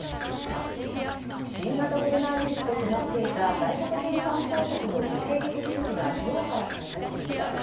新型コロナウイルスで止まっていた外国人観光客の受け入れ手続きが今日から再開しました。